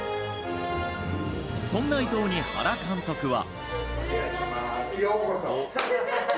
そんな伊藤に原監督は。